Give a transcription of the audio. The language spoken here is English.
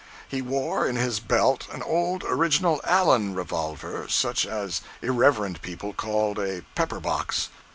He wore in his belt an old original "Allen" revolver, such as irreverent people called a "pepper box."